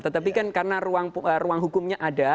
tetapi kan karena ruang hukumnya ada